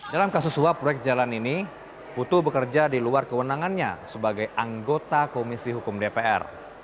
dalam kasus suap proyek jalan ini putu bekerja di luar kewenangannya sebagai anggota komisi hukum dpr